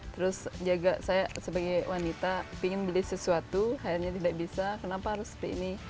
terus juga saya sebagai wanita pingin beli sesuatu akhirnya tidak bisa kenapa harus beli ini